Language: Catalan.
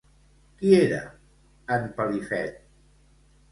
Qui era en Pelifet?